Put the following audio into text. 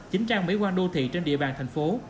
chính trang mỹ quan đô thị trên địa bàn thành phố